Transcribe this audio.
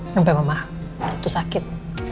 sampai mama tentu sakit